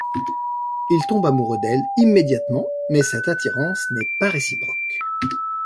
Il tombe amoureux d'elle immédiatement mais cette attirance n'est pas réciproque.